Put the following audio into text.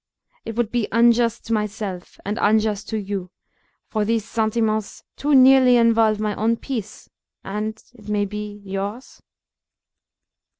It would be unjust to myself, and unjust to you; for those sentiments too nearly involve my own peace, and, it may be, yours."